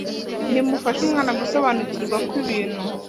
Nimufashe umwana gusobanukirwa ko ibintu